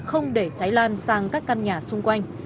không để cháy lan sang các căn nhà xung quanh